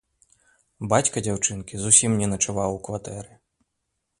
Бацька дзяўчынкі зусім не начаваў у кватэры.